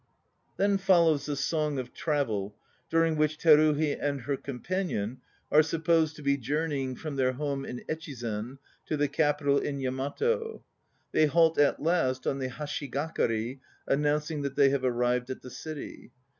Then follows the "song of travel," during which Teruhi and her companion are supposed to be journeying from their home in Echizen to the Capital in Yamato. They halt at last on the hashigakari, announcing that they have "arrived at the City."